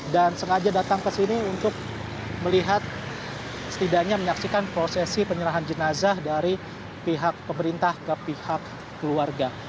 dan sengaja datang ke sini untuk melihat setidaknya menyaksikan prosesi penyerahan jenazah dari pihak pemerintah ke pihak keluarga